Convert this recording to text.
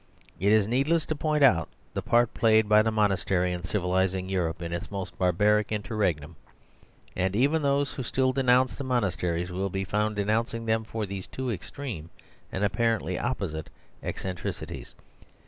It is needless to point out the part played by the monastery in civilising Europe in its most bar baric interregnum; and even those who still denounce the monasteries will be found de nouncing them for these two extreme and ap parently opposite eccentricities.